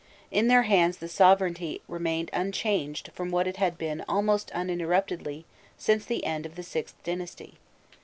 In their hands the sovereignty remained unchanged from what it had been almost uninterruptedly since the end of the VIth dynasty.